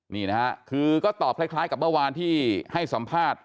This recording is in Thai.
นี่นะฮะคือก็ตอบคล้ายกับเมื่อวานที่ให้สัมภาษณ์